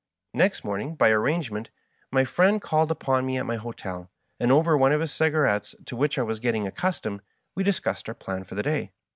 Next morning, by arrangement, my friend called upon me at my hotel, and over one of his cigarettes, to which I was getting accustomed, we discussed our plan for the day.